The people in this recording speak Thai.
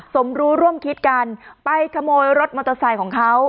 สมรู้ร่วมคิดกันไปขโมยรถมอเตอร์ไซค์ของเขา